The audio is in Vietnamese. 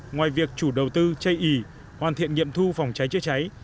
ngoài việc chủ đầu tư chây ý hoàn thiện nghiệm thu phòng cháy chữa cháy